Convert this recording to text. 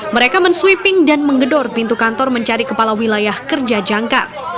mereka mensweeping dan menggedor pintu kantor mencari kepala wilayah kerja jangka